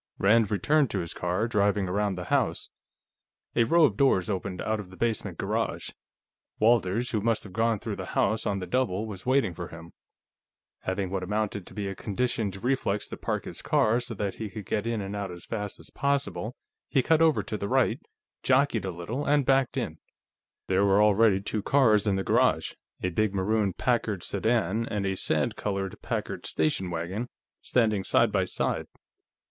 Rand returned to his car, driving around the house. A row of doors opened out of the basement garage; Walters, who must have gone through the house on the double, was waiting for him. Having what amounted to a conditioned reflex to park his car so that he could get it out as fast as possible, he cut over to the right, jockeyed a little, and backed in. There were already two cars in the garage; a big maroon Packard sedan, and a sand colored Packard station wagon, standing side by side.